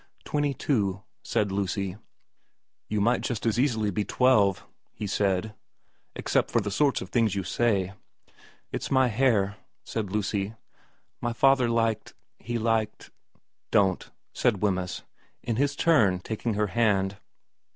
' Twenty two,' said Lucy. * You might just as easily be twelve,' he said, ' except for the sorts of things you say.' * It's my hair,' said Lucy. ' My father liked he liked '* Don't,' said Wemyss, in his turn taking her hand.